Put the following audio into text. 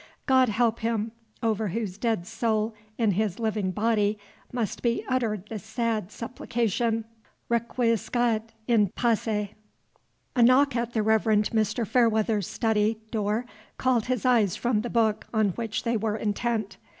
God help him, over whose dead soul in his living body must be uttered the sad supplication, Requiescat in pace! A knock at the Reverend Mr. Fairweather's study door called his eyes from the book on which they were intent.